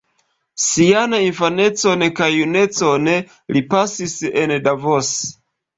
Sian infanecon kaj junecon li pasis en Davos.